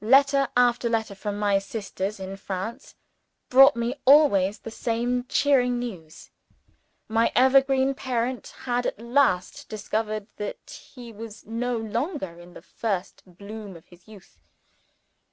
Letter after letter from my sisters in France, brought me always the same cheering news. My evergreen parent had at last discovered that he was no longer in the first bloom of his youth.